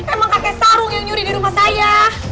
emang kakek sarung yang nyuri di rumah saya